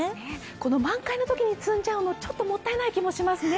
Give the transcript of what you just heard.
この満開のときにつんじゃうの、ちょっともったいない気もしますね。